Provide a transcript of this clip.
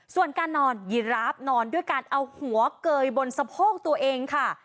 ส่วนการนอนยีราฟนอนด้วยการเอาหัวเกยบนสะโพกตัวเองค่ะ